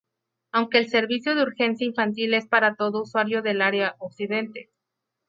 Aunque el servicio de Urgencia infantil es para todo usuario del área Occidente.